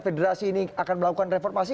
federasi ini akan melakukan reformasi